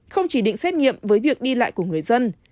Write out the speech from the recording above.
không chỉ định xét nghiệm với việc đi lại của người dân